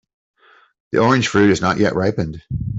The orange fruit is not yet ripened.